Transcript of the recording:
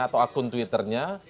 atau akun twitternya